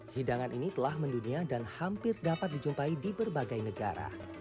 hidangan ini telah mendunia dan hampir dapat dijumpai di berbagai negara